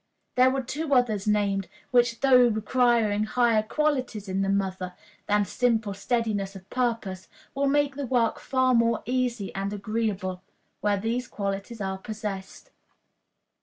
There were two others named, which, though requiring higher qualities in the mother than simple steadiness of purpose, will make the work far more easy and agreeable, where these qualities are possessed.